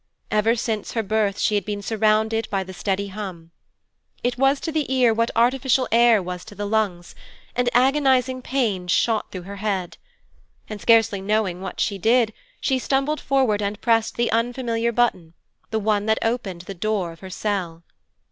Ever since her birth she had been surrounded by the steady hum. It was to the ear what artificial air was to the lungs, and agonizing pains shot across her head. And scarcely knowing what she did, she stumbled forward and pressed the unfamiliar button, the one that opened the door of her cell.